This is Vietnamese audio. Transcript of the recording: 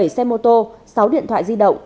bảy xe mô tô sáu điện thoại di động